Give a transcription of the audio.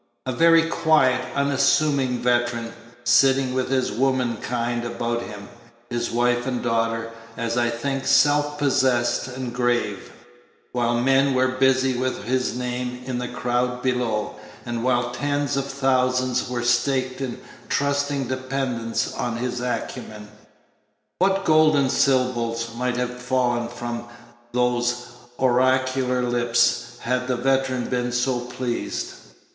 A very quiet, unassuming veteran, sitting with his womankind about him his wife and daughter, as I think self possessed and grave, while men were busy with his name in the crowd below, and while tens of thousands were staked in trusting dependence on his acumen. What golden syllables might have fallen from those oracular lips had the veteran been so pleased!